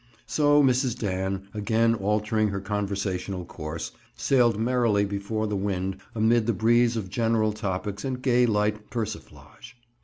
So Mrs. Dan, again altering her conversational course, sailed merrily before the wind amid the breeze of general topics and gay light persiflage.